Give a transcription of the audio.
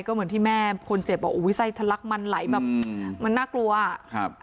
เหมือนที่แม่คนเจ็บบอกว่าไส้ทะลักมันไหลแบบมันน่ากลัวอ่ะ